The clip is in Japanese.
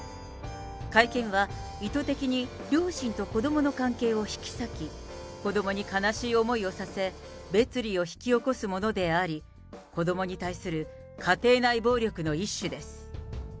会見は意図的に両親と子どもの関係を引き裂き、子どもに悲しい思いをさせ、別離を引き起こすものであり、子どもに対する家庭内暴力の一種です。